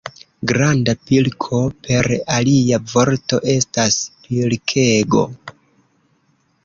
Granda pilko, per alia vorto, estas pilkego.